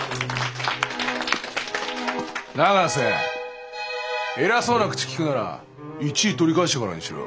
永瀬偉そうな口きくなら１位取り返してからにしろ。